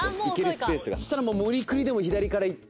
そしたら、もう無理くりでも左から行って。